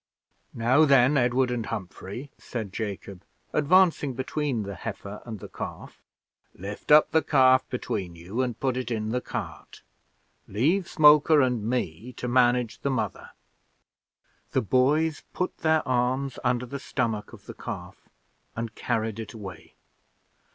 "Now then, Edward and Humphrey," said Jacob, advancing between the heifer and the calf, "lift up the calf between you and put it in the cart. Leave Smoker and me to manage the mother." The boys put their arms under the stomach of the calf, and carried it away.